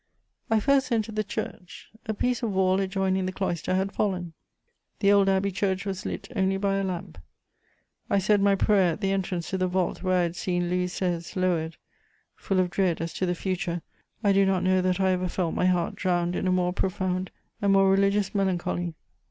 I first entered the church: a piece of wall adjoining the cloister had fallen; the old abbey church was lit only by a lamp. I said my prayer at the entrance to the vault where I had seen Louis XVI. lowered: full of dread as to the future, I do not know that I ever felt my heart drowned in a more profound and more religious melancholy.